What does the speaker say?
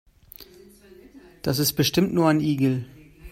Das ist bestimmt nur ein Igel.